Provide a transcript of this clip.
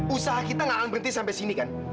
usaha kita gak akan berhenti sampai sini kan